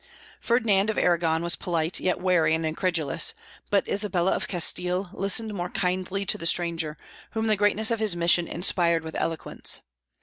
Ferdinand of Aragon was polite, yet wary and incredulous; but Isabella of Castile listened more kindly to the stranger, whom the greatness of his mission inspired with eloquence.